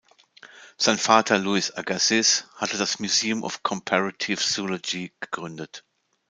Sein Vater Louis Agassiz hatte das "Museum of Comparative Zoology" gegründet.